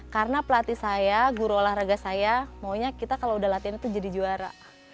karena pelatih saya guru olahraga saya maunya kita kalau udah latihan itu jadi juara